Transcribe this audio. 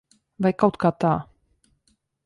Vai kaut kā tā.